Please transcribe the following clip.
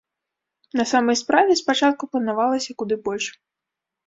На самай справе, спачатку планавалася куды больш.